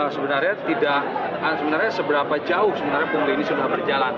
sebenarnya tidak sebenarnya seberapa jauh sebenarnya pungli ini sudah berjalan